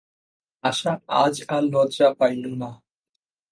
আশা আজ আর লজ্জা পাইল না।